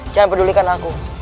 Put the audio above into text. jangan pedulikan aku